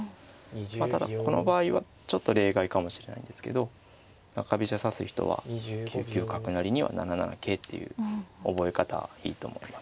まあただこの場合はちょっと例外かもしれないんですけど中飛車指す人は９九角成には７七桂っていう覚え方いいと思います。